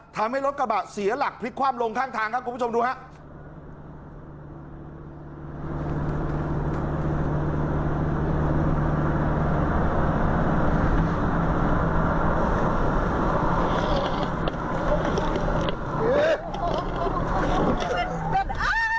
ทำให้รถกระบะเสียหลักพลิกคว่ำลงข้างทางครับคุณผู้ชมดูครับ